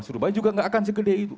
surabaya juga tidak akan sebesar itu